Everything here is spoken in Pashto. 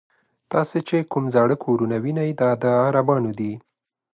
تاسې چې کوم زاړه کورونه وینئ دا د عربانو دي.